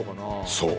そう。